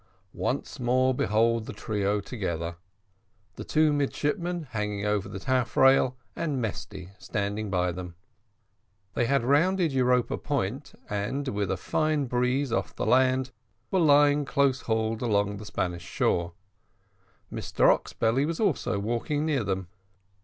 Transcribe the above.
Once more behold the trio together the two midshipmen hanging over the taffrail, and Mesty standing by them. They had rounded Europa Point, and with a fine breeze off the land, were lying close hauled along the Spanish shore. Mr Oxbelly was also walking near them.